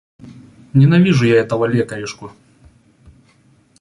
Ненавижу я этого лекаришку.